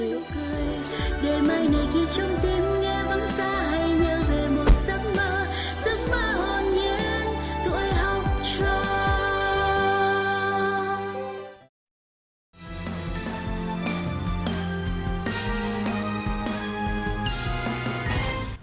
này khi trong tim nghe vắng xa hay nhớ về một giấc mơ giấc mơ hồn nhiên tuổi học trò